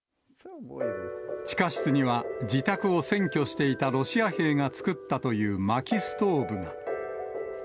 地下室には、自宅を占拠していたロシア兵が作ったというまきストーブが。